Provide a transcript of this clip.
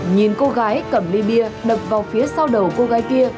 nhìn cô gái cầm ly bia đập vào phía sau đầu cô gái kia